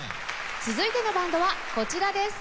続いてのバンドはこちらです。